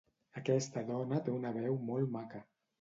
Aquesta dona té una veu molt maca.